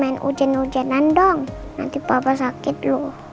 nanti papa sakit dulu